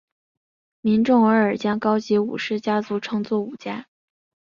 民众偶尔将高级武士家族称作武家。